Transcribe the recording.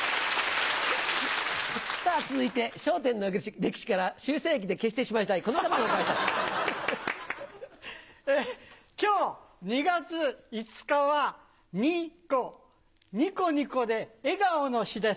さあ、続いて笑点の歴史から修正液で消してしまいたい、この方でございきょう、２月５日は、２５、にこにこで笑顔の日です。